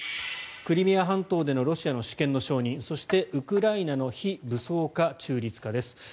クリミア半島でのロシアの主権承認そしてウクライナの非武装化中立化です。